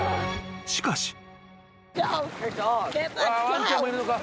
［しかし］